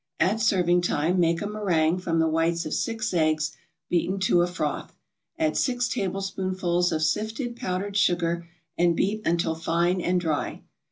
At serving time, make a meringue from the whites of six eggs beaten to a froth; add six tablespoonfuls of sifted powdered sugar and beat until fine and dry.